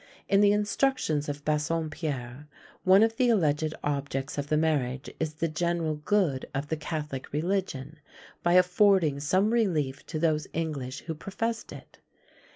In the instructions of Bassompierre, one of the alleged objects of the marriage is the general good of the Catholic religion, by affording some relief to those English who professed it.